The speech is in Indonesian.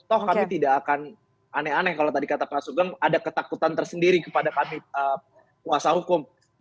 toh kami tidak akan aneh aneh kalau tadi kata pak sugeng ada ketakutan tersendiri kepada kami kuasa hukum